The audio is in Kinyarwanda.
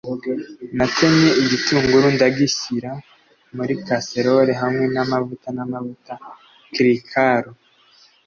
natemye igitunguru ndagishyira muri casserole hamwe namavuta namavuta. (chrikaru